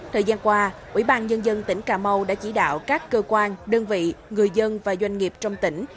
thời gian qua ủy ban nhân dân tỉnh cà mau đã chỉ đạo các cơ quan đơn vị người dân và doanh nghiệp trong tỉnh